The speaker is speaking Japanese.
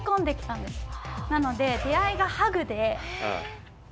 なので出会いがハグで。